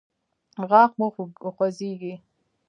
غاښ مو خوځیږي؟